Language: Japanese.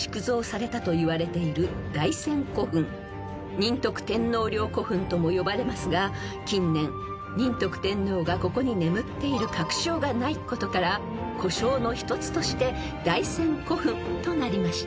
［仁徳天皇陵古墳とも呼ばれますが近年仁徳天皇がここに眠っている確証がないことから呼称の一つとして大仙古墳となりました］